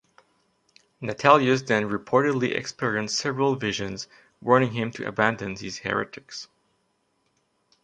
Natalius then reportedly experienced several visions warning him to abandon these heretics.